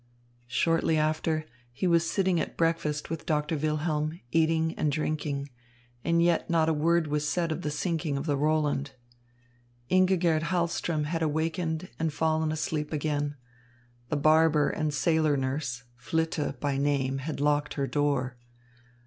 Shortly after, he was sitting at breakfast with Doctor Wilhelm, eating and drinking. And yet not a word was said of the sinking of the Roland. Ingigerd Hahlström had awakened and fallen asleep again. The barber and sailor nurse, Flitte by name, had locked her door.